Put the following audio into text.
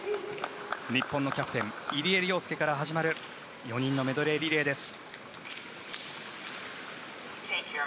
日本のキャプテン入江陵介から始まる４人のメドレーリレーです。